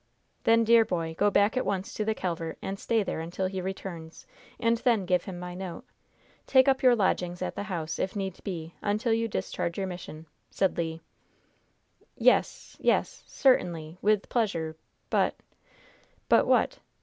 "Then, dear boy, go back at once to the Calvert, and stay there until he returns, and then give him my note. Take up your lodgings at the house, if need be, until you discharge your mission," said Le. "Yes yes certainly with pleasure but " "But what?"